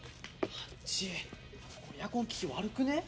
ここエアコン効き悪くねえ？